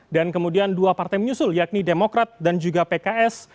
dan kemudian dua partai menyusul yakni demokrat dan juga pks